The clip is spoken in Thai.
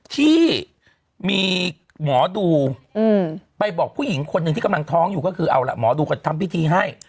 ที่มีหมอดูไปบอกผู้หญิงคนหนึ่งที่กำลังท้องอยู่ก็คือเอาล่ะหมอดูก็ทำพิธีให้